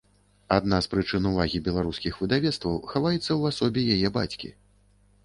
Адна з прычын увагі беларускіх выдавецтваў хаваецца ў асобе яе бацькі.